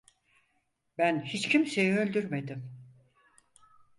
Ben hiç kimseyi öldürmedim.